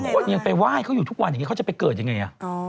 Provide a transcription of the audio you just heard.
คนยังไปไหว้เขาอยู่ทุกวันอย่างนี้เขาจะไปเกิดยังไง